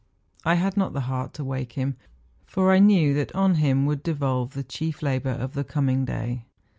I had not the heart to wake him, for I knew that on him would devolve the chief labour of the coming day.